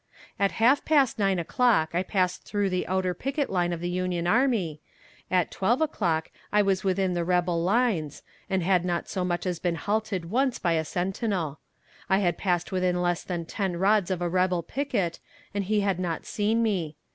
At half past nine o'clock I passed through the outer picket line of the Union army, at twelve o'clock I was within the rebel lines, and had not so much as been halted once by a sentinel. I had passed within less than ten rods of a rebel picket, and he had not seen me.